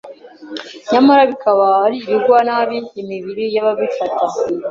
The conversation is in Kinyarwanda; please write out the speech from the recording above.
nyamara bikaba ari ibigwa nabi imibiri y’ababifata